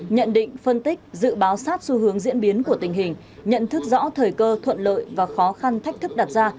nhận định phân tích dự báo sát xu hướng diễn biến của tình hình nhận thức rõ thời cơ thuận lợi và khó khăn thách thức đặt ra